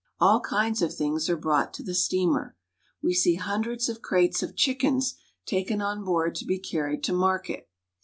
All kinds of things are brought to the steamer. We see hundreds of crates of chickens taken on board to be carried to market.